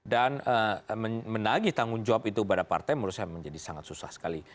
dan menagi tanggung jawab itu pada partai menurut saya menjadi sangat susah sekali